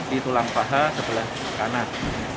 di tulang paha sebelah kanan